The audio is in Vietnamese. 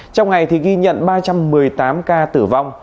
trong ngày ghi nhận ba trăm một mươi tám ca tử vong